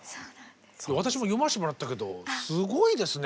私も読ませてもらったけどすごいですね